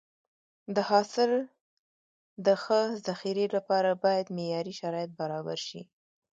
د حاصل د ښه ذخیرې لپاره باید معیاري شرایط برابر شي.